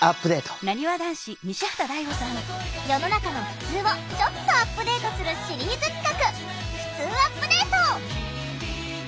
世の中のふつうをちょっとアップデートするシリーズ企画「ふつうアップデート」。